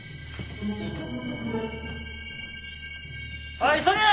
おい急げ！